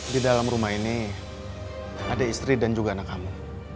di dalam rumah ini ada istri dan juga anak kamu